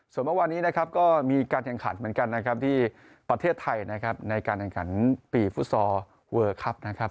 ส่วนเมื่อวานนี้นะครับก็มีการแข่งขันเหมือนกันนะครับที่ประเทศไทยนะครับในการแข่งขันปีฟุตซอลเวอร์ครับนะครับ